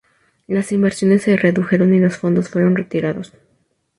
Las inversiones se redujeron y los fondos fueron retirados.